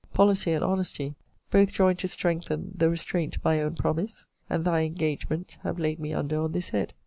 Policy and honesty, both join to strengthen the restraint my own promise and thy engagement have laid me under on this head.